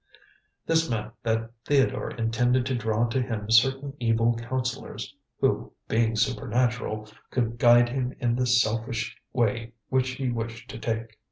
This meant that Theodore intended to draw to him certain evil counsellors, who, being supernatural, could guide him in the selfish way which he wished to take.